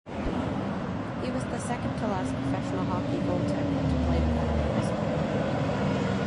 He was the second-to-last professional hockey goaltender to play without a mask.